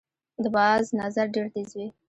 د باز نظر ډیر تېز وي